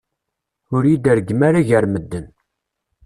Ur yi-d-reggem ara gar medden.